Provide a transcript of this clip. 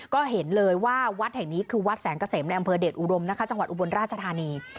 ก็เห็นเลยว่าวัดแห่งนี้คือวัดแสงเกษมในอำเภอเดชอุดมนะคะจังหวัดอุบลราชธานี